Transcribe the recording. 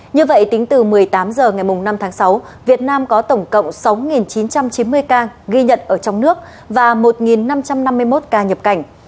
như vậy tính từ một mươi tám h ngày năm tháng sáu việt nam có tổng cộng sáu chín trăm chín mươi ca ghi nhận ở trong nước và một năm trăm năm mươi một ca nhập cảnh